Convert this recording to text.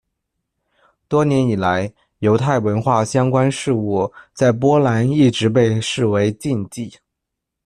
多年以来，犹太文化相关事物在波兰一直被视为禁忌。